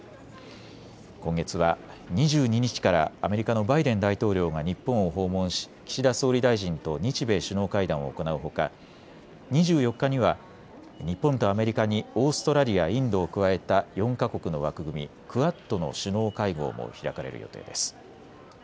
今月は２２日からアメリカのバイデン大統領が日本を訪問し岸田総理大臣と日米首脳会談を行うほか、２４日には日本とアメリカにオーストラリア、インドを加えた４か国の枠組み、クアッドの首脳会合も開かれる予定です。